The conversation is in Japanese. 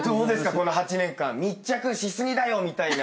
この８年間密着し過ぎだよみたいな。